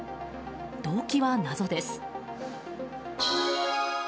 動機は謎です。